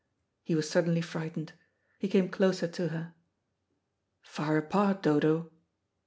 He was suddenly frightened. He came closer to her. "Far apart, Dodo?